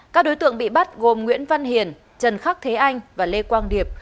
các đối tượng bị bắt gồm nguyễn văn hiền trần khắc thế anh và lê quang điệp